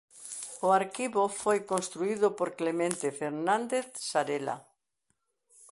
O arquivo foi construído por Clemente Fernández Sarela.